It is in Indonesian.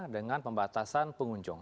dengan pembatasan pengunjung